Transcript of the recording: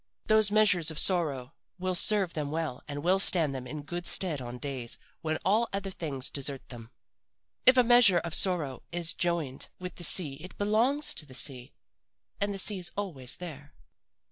Those measures of sorrow will serve them well and will stand them in good stead on days when all other things desert them. If a measure of sorrow is joined with the sea it belongs to the sea and the sea is always there.